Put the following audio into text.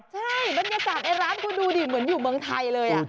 ใช่บรรยากาศในร้านคุณดูดิเหมือนอยู่เมืองไทยเลย